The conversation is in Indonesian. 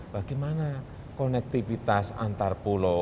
bagaimana konektivitas antar pulau